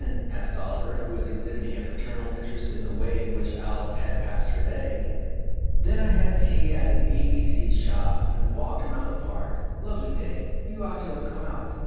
asked Oliver, who was exhibiting a fraternal interest in the way in which Alice had passed her day. "Then I had tea at an A B C shop, and walked round the Park. Lovely day : you ought to have come out."